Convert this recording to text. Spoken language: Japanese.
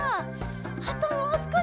あともうすこし！